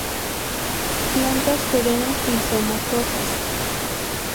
Plantas perennes rizomatosas.